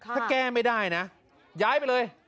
ถ้าแก้ไม่ได้นะย้ายไปเลย